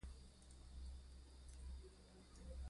افغانستان له غرونه ډک دی.